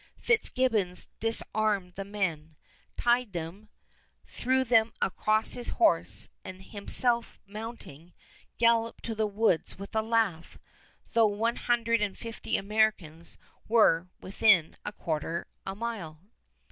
Fitzgibbons disarmed the men, tied them, threw them across his horse, and himself mounting, galloped to the woods with a laugh, though one hundred and fifty Americans were within a quarter of a mile.